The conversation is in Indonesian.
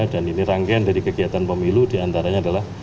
dan ini rangkaian dari kegiatan pemilu diantaranya adalah